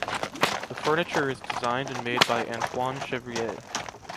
The furniture is designed and made by Antoine Chevrier.